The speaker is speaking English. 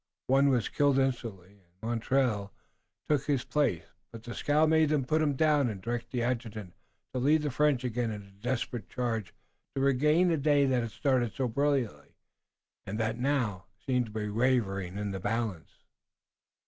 One was killed instantly, and Montreuil took his place, but Dieskau made them put him down and directed the adjutant to lead the French again in a desperate charge to regain a day that had started so brilliantly, and that now seemed to be wavering in the balance.